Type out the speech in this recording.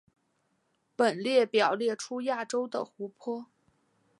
本列表列出亚洲的湖泊。